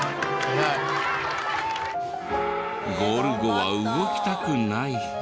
ゴール後は動きたくない。